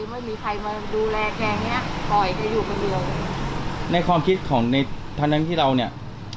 ไม่มีใครมาดูแลแกงเนี้ยปล่อยแกอยู่คนเดียวในความคิดของในทั้งนั้นที่เราเนี่ย